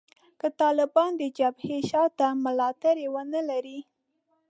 که طالبان د جبهې شا ته ملاتړي ونه لري